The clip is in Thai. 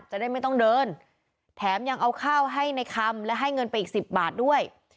จะได้ไม่ต้องเดินแถมยังเอาข้าวให้ในคำและให้เงินไปอีกสิบบาทด้วย